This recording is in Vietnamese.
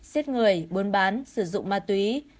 xiết người buôn bán sử dụng ma túy